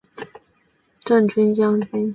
事后朝廷追赠镇军将军。